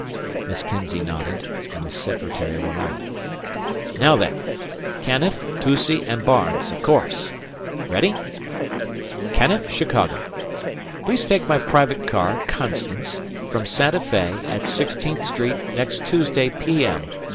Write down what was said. Miss Kinzey nodded, and the secretary went on. "Now then. Canniff, Toucey, and Barnes, of course. Ready? _Canniff, Chicago. Please take my private car 'Constance' from Santa Fe at Sixteenth Street next Tuesday p. m.